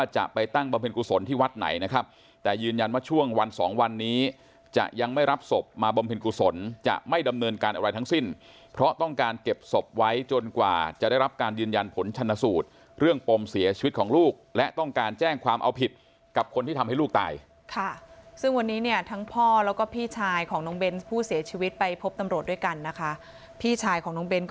จะไปตั้งบำเพ็ญกุศลที่วัดไหนนะครับแต่ยืนยันว่าช่วงวันสองวันนี้จะยังไม่รับศพมาบำเพ็ญกุศลจะไม่ดำเนินการอะไรทั้งสิ้นเพราะต้องการเก็บศพไว้จนกว่าจะได้รับการยืนยันผลชนสูตรเรื่องปมเสียชีวิตของลูกและต้องการแจ้งความเอาผิดกับคนที่ทำให้ลูกตายค่ะซึ่งวันนี้เนี่ยทั้งพ่อแล้วก็พี่ชายของน้องเบนส์ผู้เสียชีวิตไปพบตำรวจด้วยกันนะคะพี่ชายของน้องเบ้น